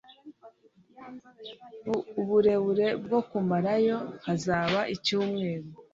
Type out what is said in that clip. Uburebure bwo kumarayo hazaba icyumweru.